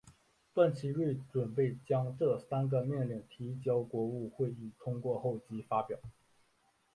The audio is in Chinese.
段祺瑞准备将这三个命令提交国务会议通过后即发表。